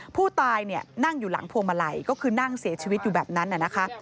ผู้ตายนั่งอยู่หลังพวงมาลัยก็คือนั่งเสียชีวิตอยู่แบบนั้นนะคะ